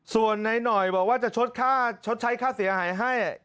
ส่วนนายหน่อยบอกว่าจะชดใช้ค่าเสียหายให้